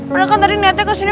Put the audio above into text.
anak kan tadi nyatanya kesini